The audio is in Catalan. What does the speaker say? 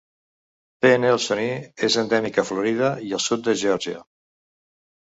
"P. nelsoni" és endèmic a Florida i al sud de Georgia.